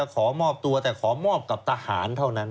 ก็แต่ขอมอบกับทหารเท่านั้น